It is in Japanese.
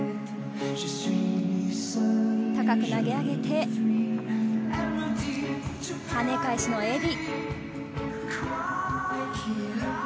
高く投げ上げて、跳ね返しのＡＤ。